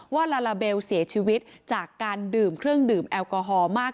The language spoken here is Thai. ลาลาเบลเสียชีวิตจากการดื่มเครื่องดื่มแอลกอฮอล์มาก